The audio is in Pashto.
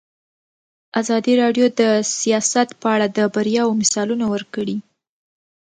ازادي راډیو د سیاست په اړه د بریاوو مثالونه ورکړي.